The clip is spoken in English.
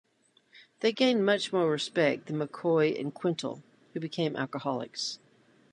They gained much more respect than McCoy and Quintal, who became alcoholics.